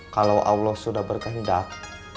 kalau allah sudah berkehendak